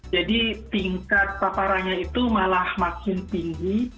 jadi tingkat paparannya itu malah makin tinggi